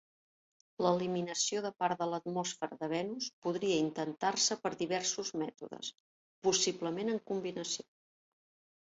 L'eliminació de part de l'atmosfera de Venus podria intentar-se per diversos mètodes, possiblement en combinació.